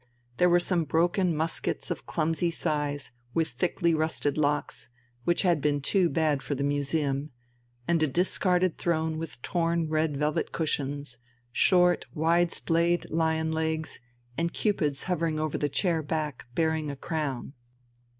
There were some broken muskets of clumsy size with thickly rusted locks, which had been too bad for the museum, and a discarded throne with torn red velvet cushions, short wide splayed lion legs, and cupids hovering over the chair back, bearing a crown.